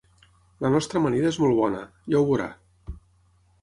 La nostra amanida és molt bona, ja ho veurà.